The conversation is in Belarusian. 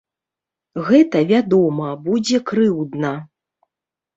Гэта, вядома, будзе крыўдна.